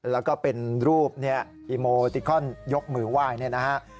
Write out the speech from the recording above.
แล้วก็เป็นรูปอีโมติกคอนยกมือไหว้